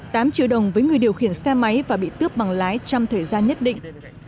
tám triệu đồng với người điều khiển xe máy và bị tước bằng lái trong thời gian nhất định